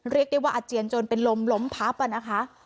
เรียกได้ว่าอาเจียนจนเป็นลมล้มพับนะคะ